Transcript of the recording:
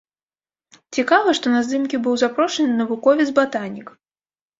Цікава, што на здымкі быў запрошаны навуковец-батанік.